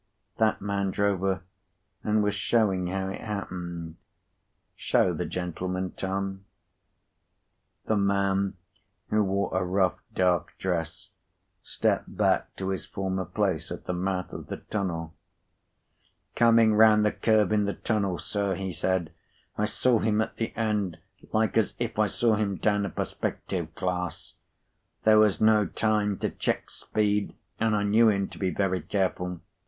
That man drove her, and was showing how it happened. Show the gentleman, Tom." p. 110The man, who wore a rough dark dress, stepped back to his former place at the mouth of the tunnel: "Coming round the curve in the tunnel, sir," he said, "I saw him at the end, like as if I saw him down a perspective glass. There was no time to check speed, and I knew him to be very careful.